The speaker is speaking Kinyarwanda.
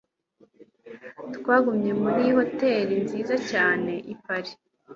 Twagumye muri hoteri nziza cyane i Paris.